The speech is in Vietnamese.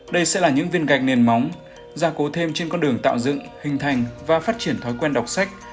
đây sẽ là những viên gạch nền móng gia cố thêm trên con đường tạo dựng hình thành và phát triển thói quen đọc sách